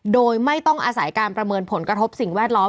โดยไม่ต้องอาศัยการประเมินผลกระทบสิ่งแวดล้อม